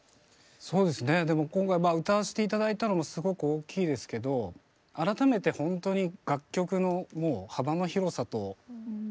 そうですねでも今回まあ歌わせて頂いたのもすごく大きいですけど改めてほんとに楽曲のもう幅の広さと作品の多さと名曲の多さと。